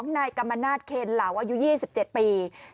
นายกรรมนาศเคนเหล่าอายุ๒๗ปี